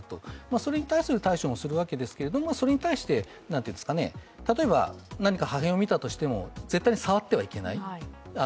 それに対する対処もするわけですがそれに対して、例えば何か破片を見たとしても、絶対に触ってはいけない。